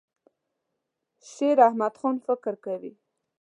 شیراحمدخان فکر کوي.